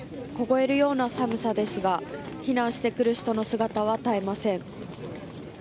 凍えるような寒さですが、避難してくる人の姿は絶えません。